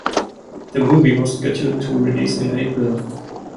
The movie was scheduled to release in April.